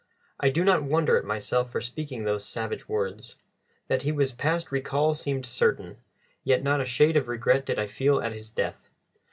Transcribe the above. I do not wonder at myself for speaking those savage words. That he was past recall seemed certain, yet not a shade of regret did I feel at his death.